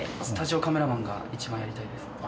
スタジオカメラマンが一番やりたいです。